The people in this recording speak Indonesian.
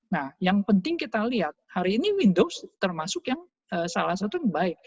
nah yang penting kita lihat hari ini windows termasuk yang salah satu yang baik